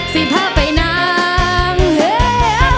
สิผ่าไปนั่ง